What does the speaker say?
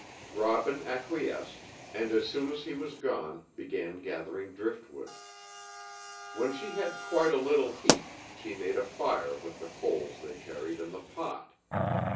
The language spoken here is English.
Robin acquiesced, and as soon as he was gone began gathering driftwood. When she had quite a little heap she made a fire with the coals they carried in the pot.